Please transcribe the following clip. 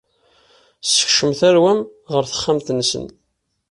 Sekcem tarwa-m ɣer texxamt-nsen.